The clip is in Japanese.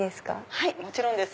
はいもちろんです。